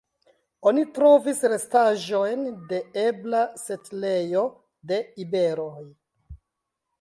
Oni trovis restaĵojn de ebla setlejo de iberoj.